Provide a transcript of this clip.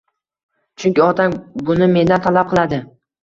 Chunki otang buni mendan talab qiladi.!